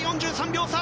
４３秒差。